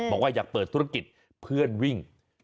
บอกว่าอยากเปิดธุรกิจเพื่อนวิ่ง